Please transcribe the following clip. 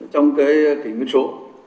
trong cái kỷ nguyên số